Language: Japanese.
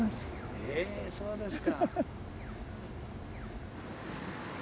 へえそうですか。